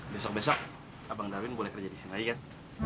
besok besok abang darwin boleh kerja di sini lagi kan